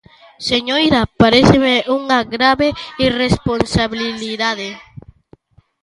Señoría, paréceme unha grave irresponsabilidade.